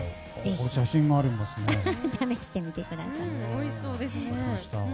試してみてください。